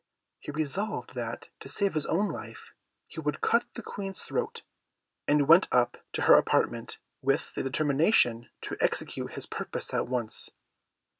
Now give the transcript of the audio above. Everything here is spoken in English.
He resolved that, to save his own life, he would cut the Queen's throat, and went up to her apartment with the determination to execute his purpose at once.